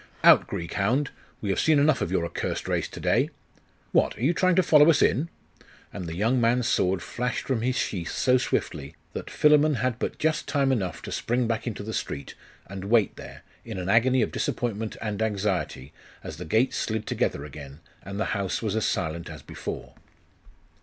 'Out, Greek hound! we have seen enough of your accursed race to day! What? are you trying to follow us in?' And the young man's sword flashed from its sheath so swiftly, that Philammon had but just time enough to spring back into the street, and wait there, in an agony of disappointment and anxiety, as the gates slid together again, and the house was as silent as before.